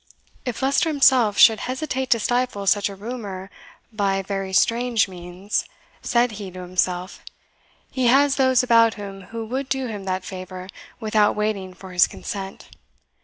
"If Leicester himself should hesitate to stifle such a rumour by very strange means," said he to himself, "he has those about him who would do him that favour without waiting for his consent.